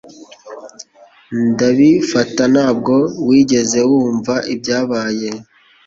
Ndabifata ntabwo wigeze wumva ibyabaye